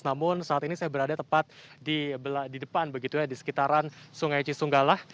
namun saat ini saya berada tepat di depan begitu ya di sekitaran sungai cisunggalah